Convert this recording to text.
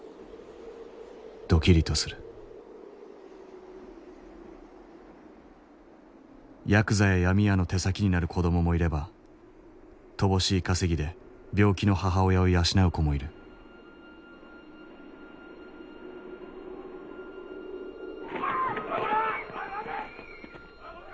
どきりとするヤクザやヤミ屋の手先になる子どももいれば乏しい稼ぎで病気の母親を養う子もいるどこだ！？